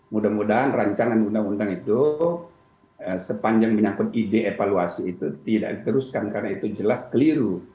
mudah mudahan ru itu sepanjang menyatukan ide evaluasi itu tidak diteruskan karena itu jelas keliru